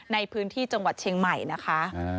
ในพื้นที่จังหวัดเชียงใหม่นะคะ